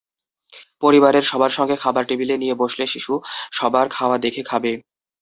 পরিবারের সবার সঙ্গে খাবার টেবিলে নিয়ে বসলে শিশু সবার খাওয়া দেখে খাবে।